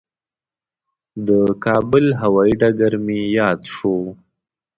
د کابل هوایي ډګر مې یاد شو.